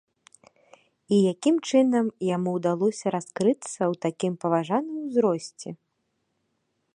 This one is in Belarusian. І якім чынам яму ўдалося раскрыцца ў такім паважаным узросце?